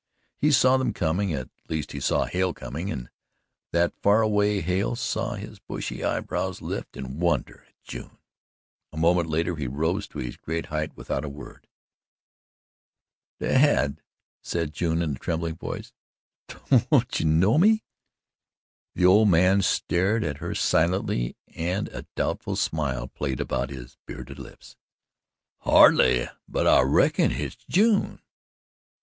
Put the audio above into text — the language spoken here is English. He saw them coming at least he saw Hale coming, and that far away Hale saw his bushy eyebrows lift in wonder at June. A moment later he rose to his great height without a word. "Dad," said June in a trembling voice, "don't you know me?" The old man stared at her silently and a doubtful smile played about his bearded lips. "Hardly, but I reckon hit's June."